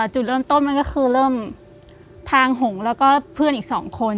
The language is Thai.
จุดเริ่มต้นมันก็คือเริ่มทางหงแล้วก็เพื่อนอีก๒คน